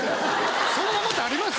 そんなことあります？